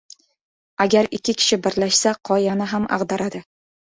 • Agar ikki kishi birlashsa qoyani ham ag‘daradi.